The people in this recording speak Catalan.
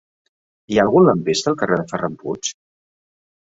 Hi ha algun lampista al carrer de Ferran Puig?